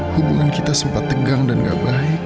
hubungan kita sempat tegang dan gak baik